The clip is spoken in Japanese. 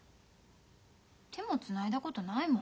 手もつないだことないもん。